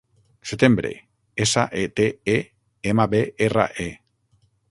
Setembre: essa, e, te, e, ema, be, erra, e.